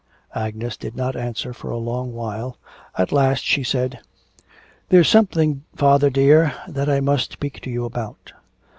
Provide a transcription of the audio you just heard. Agnes did not answer for a long while, at last she said, 'There's something, father, dear, that I must speak to you about....